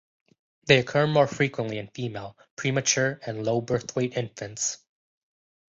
They occur more frequently in female, premature and low birth weight infants.